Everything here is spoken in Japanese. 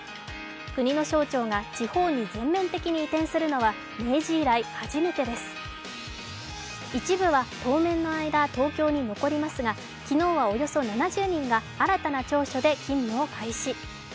国の省庁が地方に全面的に移転するのは、明治以来初めてです一部は当面の間東京に残りますが、昨日はおよそ７０人が新たな庁舎で勤務を開始。